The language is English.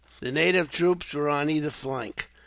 The native troops were on either flank.